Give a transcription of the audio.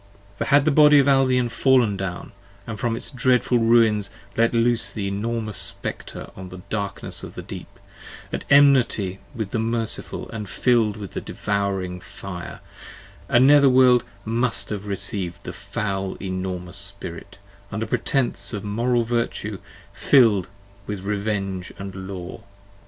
For had the Body of Albion fall'n down, and from its dreadful ruins Let loose the enormous Spectre on the darkness of the deep, At enmity with the Merciful & fill'd with devouring fire, A nether world must have recieved the foul enormous spirit, 35 Under pretence of Moral Virtue, fill'd with Revenge and Law.